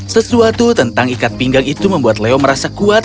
sesuatu tentang ikat pinggang itu membuat leo merasa kuat